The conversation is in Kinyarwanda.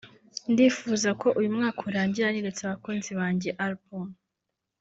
ndifuza ko uyu mwaka urangira neretse abakunzi banjye album